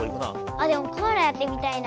あでもコアラやってみたいな。